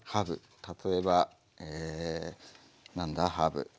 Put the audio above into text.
例えばえ何だハーブ。